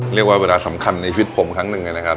เรียกว่าเวลาสำคัญในชีวิตผมครั้งหนึ่งนะครับ